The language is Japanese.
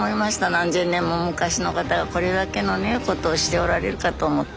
何十年も昔の方がこれだけのねことをしておられるかと思って。